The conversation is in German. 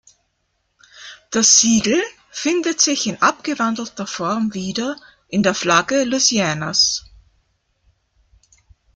Das Siegel findet sich in abgewandelter Form wieder in der Flagge Louisianas.